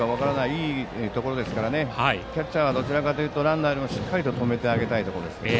いいところでしたからキャッチャーはどちらかというとしっかり止めてあげたいところです。